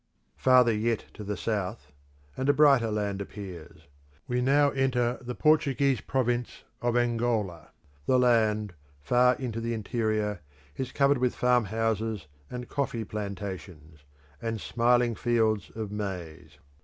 Farther yet to the south, and a brighter land appears. We now enter the Portuguese province of Angola. The land, far into the interior, is covered with farmhouses and coffee plantations, and smiling fields of maize.